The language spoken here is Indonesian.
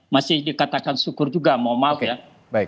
masih dikatakan syukur juga mohon maaf ya